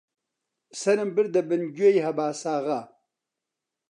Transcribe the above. سەرم بردە بن گوێی هەباساغا: